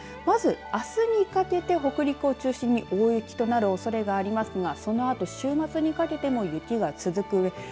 まず、あすにかけて北陸を中心に大雪となるおそれがありますがそのあと、週末にかけても雪が続くうえ